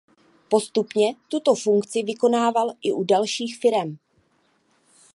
Postupně tuto funkci vykonával i u dalších firem.